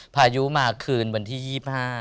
พายุมาคืนวันที่๒๕